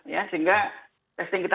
ya sehingga testing kita